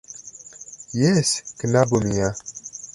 Jes, knabo mia.